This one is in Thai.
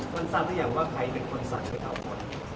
คนสั่งที่อย่างว่าใครเป็นคนสั่ง